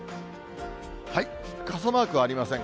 傘マークはありません。